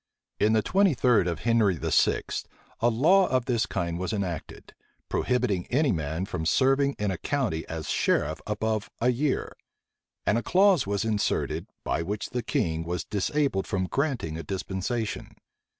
In the twenty third of Henry VI., a law of this kind was enacted, prohibiting any man from serving in a county as sheriff above a year; and a clause was inserted, by which the king was disabled from granting a dispensation.